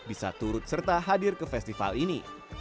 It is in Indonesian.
bisa turut serta hadir ke festival ini